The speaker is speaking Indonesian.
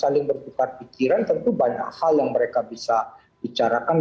saling bertukar pikiran tentu banyak hal yang mereka bisa bicarakan